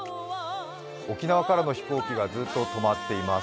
沖縄からの飛行機がずっと止まっています。